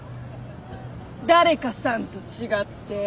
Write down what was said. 誰かさんと違って？